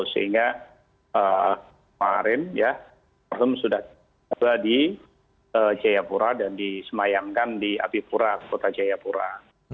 sehingga kemarin sudah tiba di jayapura dan disemayangkan di apipura kota jayapura